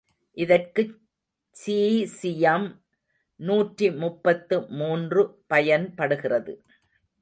இதற்குச் சீசியம் நூற்றி முப்பத்து மூன்று பயன்படுகிறது.